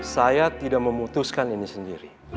saya tidak memutuskan ini sendiri